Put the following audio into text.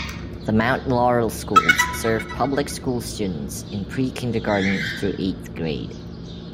The Mount Laurel Schools serve public school students in pre-kindergarten through eighth grade.